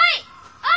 あっ！